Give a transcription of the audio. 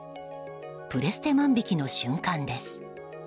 プレステ万引きの瞬間です。